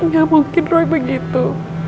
gak mungkin roy begitu